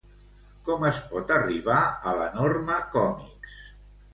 Com es pot arribar a la Norma Còmics?